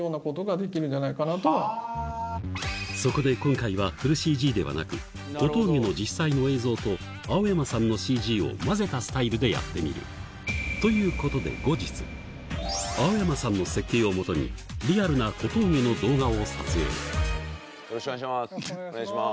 そこで今回はフルＣＧではなく小峠の実際の映像と青山さんのＣＧを混ぜたスタイルでやってみるということで後日青山さんの設計をもとにリアルな小峠の動画を撮影よろしくお願いします。